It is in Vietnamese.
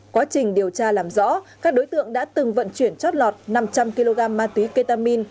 quá trình điều tra làm rõ các đối tượng đã từng vận chuyển chót lọt năm trăm linh kg ma túy ketamin